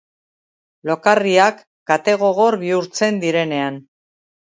Lokarriak kate gogor bihurtzen direnean.